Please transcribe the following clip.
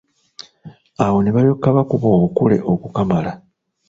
Awo ne balyoka bakuba obukule okukamala!